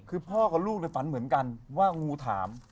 คือพ่อกับลูกฝันเหมือนกันว่างูถาม